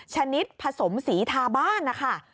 ชนิดผสมสีทาบ้านนะคะ